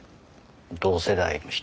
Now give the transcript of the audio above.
同世代の人は。